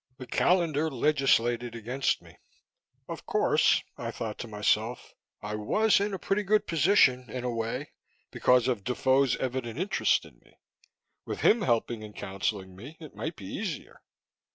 The calendar legislated against me. Of course, I thought to myself, I was in a pretty good position, in a way, because of Defoe's evident interest in me. With him helping and counseling me, it might be easier.